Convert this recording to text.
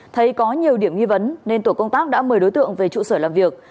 thấy có nhiều điểm nghi vấn nên tổ công tác đã mời đối tượng về trụ sở làm việc